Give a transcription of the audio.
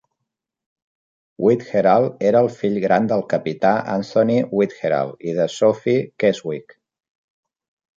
Weatherall era el fill gran del capità Anthony Weatherall i de Sophy Keswick.